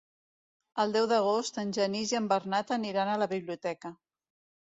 El deu d'agost en Genís i en Bernat aniran a la biblioteca.